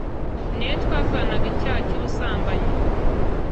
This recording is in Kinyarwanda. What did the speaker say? ni we twakoranaga icyaha cy’ubusambanyi,